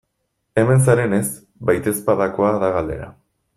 Hemen zarenez, baitezpadakoa da galdera.